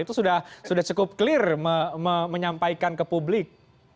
itu sudah cukup clear menyampaikan ke publik